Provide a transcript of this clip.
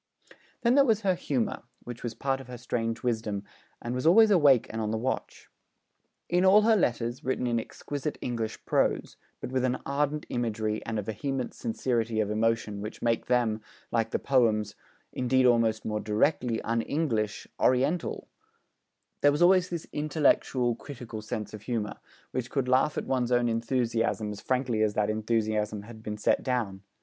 Then there was her humour, which was part of her strange wisdom, and was always awake and on the watch. In all her letters, written in exquisite English prose, but with an ardent imagery and a vehement sincerity of emotion which make them, like the poems, indeed almost more directly, un English, Oriental, there was always this intellectual, critical sense of humour, which could laugh at one's own enthusiasm as frankly as that enthusiasm had been set down.